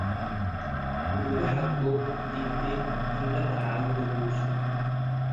ወእሉ ሐድጎ ዲብ ቤት እምለ መርዓ ዊ በሉሶ ።